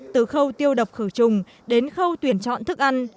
từ khâu tiêu độc khử trùng đến khâu tuyển chọn thức ăn